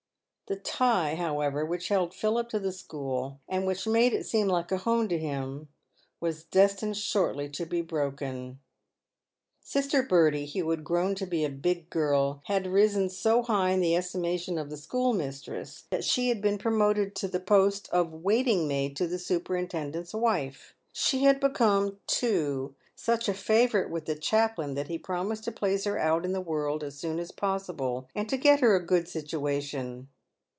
The tie, however, which held Philip to the school, and which made it seem like a home to him, was destined shortly to be broken. Sister Bertie, who had grown to be a big girl, had risen so high in the estimation of the schoolmistress, that she had been promoted to the post of waiting maid to the superintendent's wife. She had become, too, such a favourite with the chaplain, that he had promised to place her out in the world as soon as possible, and to get her a good situation.